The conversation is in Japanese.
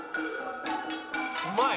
うまい。